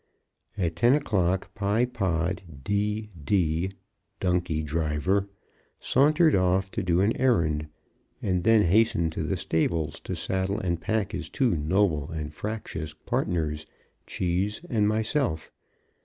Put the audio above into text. At ten o'clock Pye Pod, D. D. (donkey driver), sauntered off to do an errand, and then hastened to the stables to saddle and pack his two noble and fractious partners, Cheese and myself.